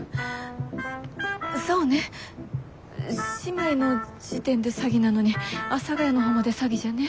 そうね姉妹の時点で詐欺なのに阿佐ヶ谷の方まで詐欺じゃねぇ。